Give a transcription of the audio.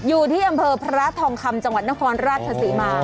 อยู่ที่อำเภอพระทองคำจังหวัดนครราชศรีมา